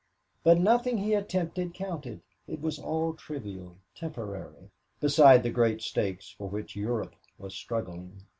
But nothing he attempted counted. It was all trivial, temporary, beside the great stakes for which Europe was struggling.